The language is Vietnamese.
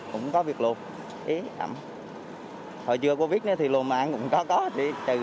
cũng có có chứ chừ là cứ